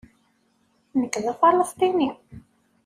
Nekk d Afalesṭini.